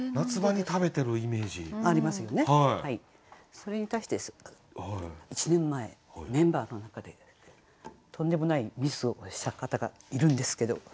それに対して１年前メンバーの中でとんでもないミスをした方がいるんですけど。